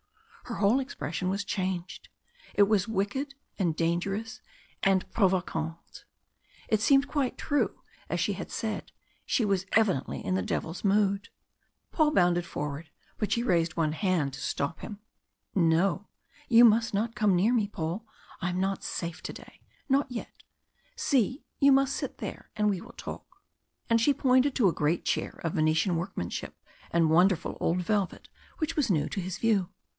Her whole expression was changed; it was wicked and dangerous and provocante. It seemed quite true, as she had said she was evidently in the devil's mood. Paul bounded forward, but she raised one hand to stop him. "No! you must not come near me, Paul. I am not safe to day. Not yet. See, you must sit there and we will talk." And she pointed to a great chair of Venetian workmanship and wonderful old velvet which was new to his view.